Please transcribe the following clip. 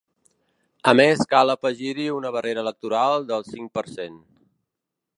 A més cal afegir-hi una barrera electoral del cinc per cent.